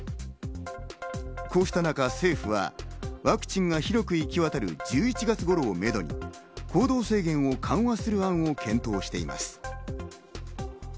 こうした中、政府はワクチンが広く行き渡る１１月頃をめどに行動制限を緩和する案も検討しています。